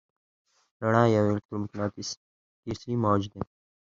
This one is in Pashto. رڼا یو الکترومقناطیسي موج دی.